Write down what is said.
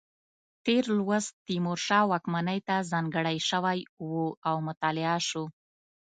تېر لوست تیمورشاه واکمنۍ ته ځانګړی شوی و او مطالعه شو.